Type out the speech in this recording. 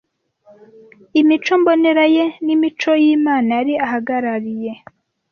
imico mbonera ye n’imico y’Imana yari ahagarariye.